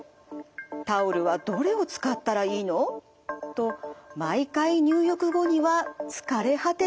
「タオルはどれを使ったらいいの？」と毎回入浴後には疲れ果てていたんです。